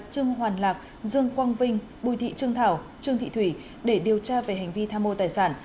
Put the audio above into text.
trương hoàn lạc dương quang vinh bùi thị trương thảo trương thị thủy để điều tra về hành vi tham mô tài sản